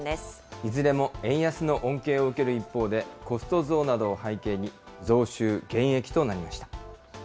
いずれも円安の恩恵を受ける一方で、コスト増などを背景に、増収減益となりました。